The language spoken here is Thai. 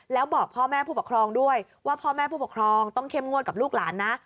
แล้วบอกพ่อแม่ผู้ปกครองด้วยว่าพ่อแม่ผู้ปกครองต้องเข้มงวดกับลูกหลานนะ